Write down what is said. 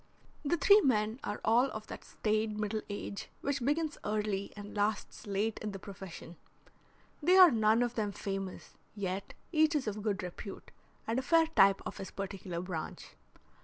The three men are all of that staid middle age which begins early and lasts late in the profession. They are none of them famous, yet each is of good repute, and a fair type of his particular branch.